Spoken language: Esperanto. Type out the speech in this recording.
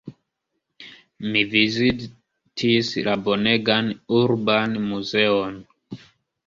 Mi vizitis la bonegan urban muzeon.